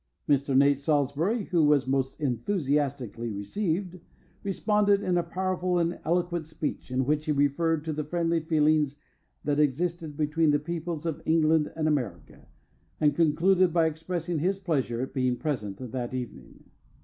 Mr. Nate Salsbury, who was most enthusiastically received, responded in a powerful and eloquent speech, in which he referred to the friendly feelings that existed between the peoples of England and America, and concluded by expressing his pleasure at being present that evening.